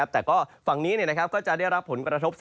แต่ก็ฝั่งนี้ก็จะได้รับผลกระทบ